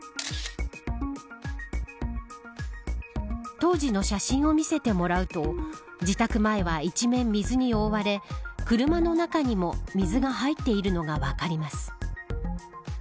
当時の写真を見せてもらうと自宅前は一面水に覆われ車の中にも水が入っているのが分かります。